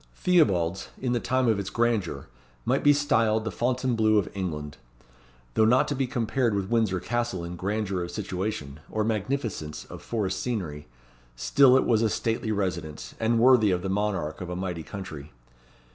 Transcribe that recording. Theobalds, in the time of its grandeur, might be styled the Fontainebleau of England. Though not to be compared with Windsor Castle in grandeur of situation, or magnificence of forest scenery, still it was a stately residence, and worthy of the monarch of a mighty country.